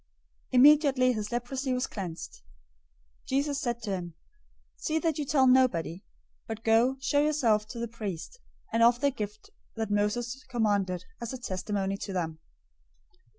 Immediately his leprosy was cleansed. 008:004 Jesus said to him, "See that you tell nobody, but go, show yourself to the priest, and offer the gift that Moses commanded, as a testimony to them."